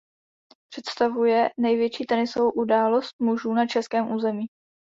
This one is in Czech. Představuje největší tenisovou událost mužů na českém území.